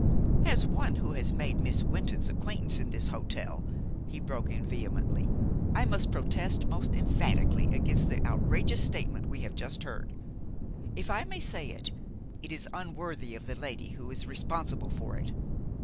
"As one who has made Miss Wynton's acquaintance in this hotel," he broke in vehemently, "I must protest most emphatically against the outrageous statement we have just heard. If I may say it, it is unworthy of the lady who is responsible for it.